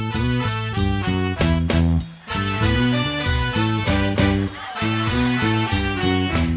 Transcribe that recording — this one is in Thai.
ที่มุนน้องแก้วตาต้องอย่าเข้าคอยทั้งคืน